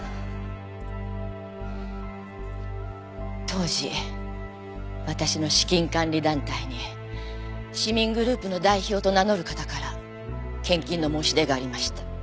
当時私の資金管理団体に市民グループの代表と名乗る方から献金の申し出がありました。